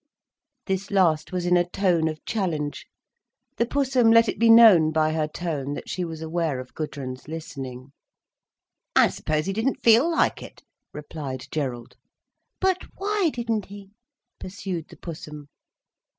This last was in a tone of challenge. The Pussum let it be known by her tone, that she was aware of Gudrun's listening. "I suppose he didn't feel like it," replied Gerald. "But why didn't he?" pursued the Pussum.